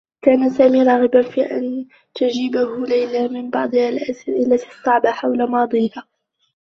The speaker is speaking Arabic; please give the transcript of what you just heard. كان سامي راغبا في أن تجيبه ليلى عن بعض الأسئلة الصّعبة حول ماضيها.